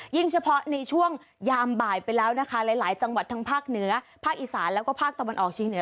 เฉพาะในช่วงยามบ่ายไปแล้วนะคะหลายจังหวัดทั้งภาคเหนือภาคอีสานแล้วก็ภาคตะวันออกเชียงเหนือ